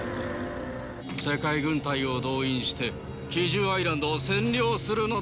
世界軍隊を動員して奇獣アイランドを占領するのだ。